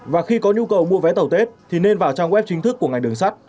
và khi có nhu cầu mua vé tàu tết thì nên vào trang web chính thức của ngành đường sắt